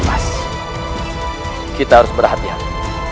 mas kita harus berhati hati